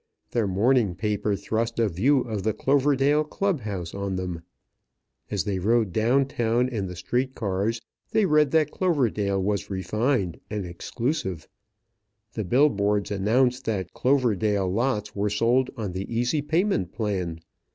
Their morning paper thrust a view of the Cloverdale Club house on them. As they rode down town in the street cars, they read that Cloverdale was refined and exclusive. The bill boards announced that Cloverdale lots were sold on the easy payment plan.